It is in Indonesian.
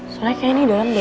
soalnya kayaknya ini dalem deh